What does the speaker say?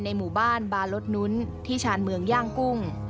หมู่บ้านบาลดนุ้นที่ชาญเมืองย่างกุ้ง